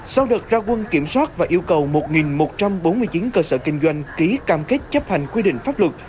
sau đợt ra quân kiểm soát và yêu cầu một một trăm bốn mươi chín cơ sở kinh doanh ký cam kết chấp hành quy định pháp luật